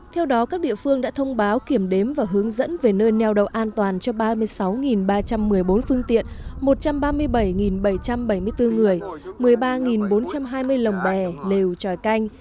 theo đó các địa phương đã thông báo kiểm đếm và hướng dẫn về nơi neo đậu an toàn cho ba mươi sáu ba trăm một mươi bốn phương tiện một trăm ba mươi bảy bảy trăm bảy mươi bốn người một mươi ba bốn trăm hai mươi lồng bè lều tròi canh